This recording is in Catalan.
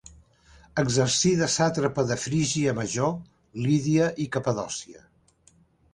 Exercí de sàtrapa de Frígia Major, Lídia i Capadòcia.